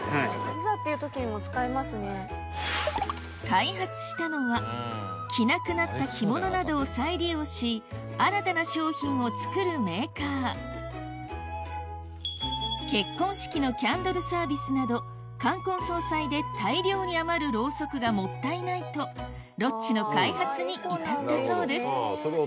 開発したのは着なくなった着物などを再利用し新たな商品を作るメーカー結婚式のキャンドルサービスなど冠婚葬祭で大量に余るローソクがもったいないとＲｏｔｃｈの開発に至ったそうです